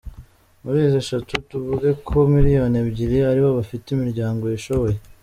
Muri izo eshantu, tuvuge ko miliyoni ebyiri aribo bafite imiryango yishoboye.